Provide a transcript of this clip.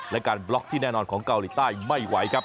และการบล็อกที่แน่นอนของเกาหลีใต้ไม่ไหวครับ